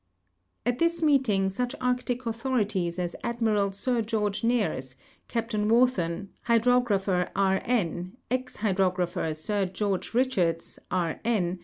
At this meeting such Arctic authorities as Admiral Sir George Nares, Cai)tain Wharton, Hydrogra])her II. N., ex Hydrographer Sir George Bichards, K. N.